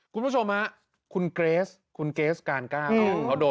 คุณผู้ชมฮะคุณเกรสการกล้าเกาะ